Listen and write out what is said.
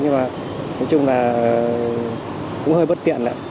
nhưng mà nói chung là cũng hơi bất tiện